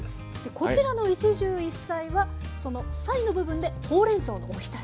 こちらの一汁一菜はその「菜」の部分でほうれんそうのおひたし。